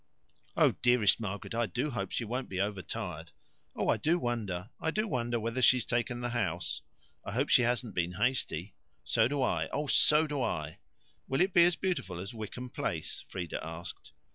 "Oh, dearest Margaret, I do hope she won't be overtired." "Oh, I do wonder I do wonder whether she's taken the house." "I hope she hasn't been hasty." "So do I oh, so do I." "Will it be as beautiful as Wickham Place?" Frieda asked.